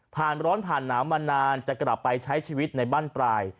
ร้อนผ่านหนาวมานานจะกลับไปใช้ชีวิตในบ้านปลาย